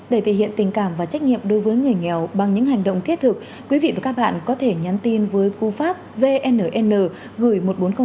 để thể hiện tình cảm và trách nhiệm đối với người nghèo bằng những hành động thiết thực quý vị và các bạn có thể nhắn tin với cú pháp vnn gửi một nghìn bốn trăm linh